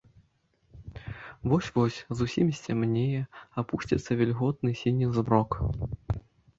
Вось-вось зусім сцямнее, апусціцца вільготны сіні змрок.